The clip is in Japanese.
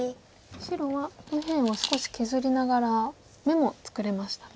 白は右辺を少し削りながら眼も作れましたね。